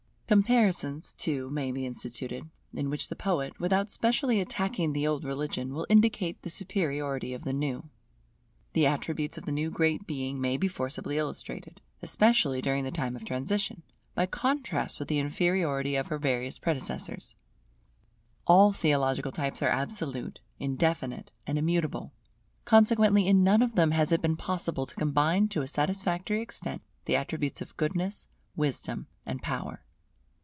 Comparisons, too, may be instituted, in which the poet, without specially attacking the old religion, will indicate the superiority of the new. The attributes of the new Great Being may be forcibly illustrated, especially during the time of transition, by contrast with the inferiority of her various predecessors. All theological types are absolute, indefinite, and immutable; consequently in none of them has it been possible to combine to a satisfactory extent the attributes of goodness, wisdom, and power.